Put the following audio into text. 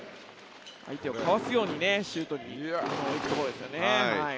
相手をかわすようにシュートに行くところですよね。